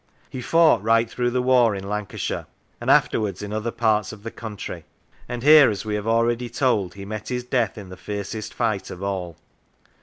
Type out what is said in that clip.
He fought right through the war in Lancashire, and afterwards in other parts of the country, and here, as we have already told, he met his death in the fiercest fight of all.